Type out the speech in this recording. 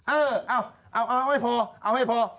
เออเอาให้พอเอาให้พอ